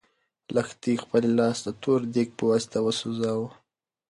لښتې خپل لاس د تور دېګ په واسطه وسوځاوه.